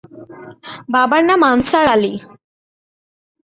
বাবার নাম আনছার আলী।